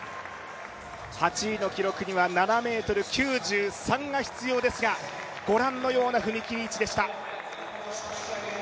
８位の記録には７ｍ９３が必要ですが、御覧のような踏み切り位置でした。